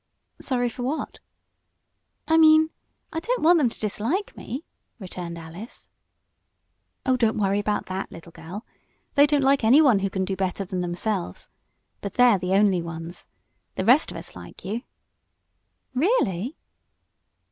"Sorry for what?" "I mean, I don't want them to dislike me," returned Alice. "Oh, don't worry about that, little girl. They don't like anyone who can do better than themselves. But they're the only ones. The rest of us like you!" "Really?"